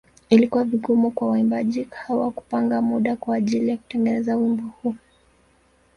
Ilikuwa vigumu kwa waimbaji hawa kupanga muda kwa ajili ya kutengeneza wimbo huu.